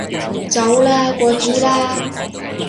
走啦，過主啦